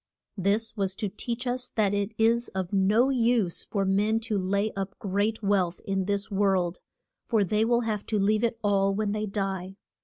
This was to teach us that it is of no use for men to lay up great wealth in this world, for they will have to leave it all when they die.